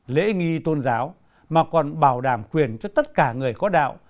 lễ nghi tôn giáo mà còn bảo đảm quyền cho tất cả người có đạo